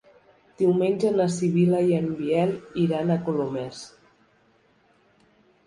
Diumenge na Sibil·la i en Biel iran a Colomers.